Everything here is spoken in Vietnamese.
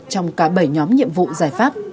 trong cả bảy nhóm nhiệm vụ giải pháp